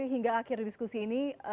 hingga akhir diskusi ini